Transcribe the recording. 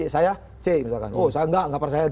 saya c misalkan oh saya enggak enggak percaya